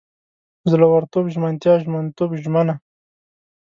زړورتوب، ژمنتیا، ژمنتوب، ژمنه